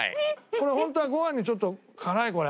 これ本当はご飯にちょっと辛いこれ。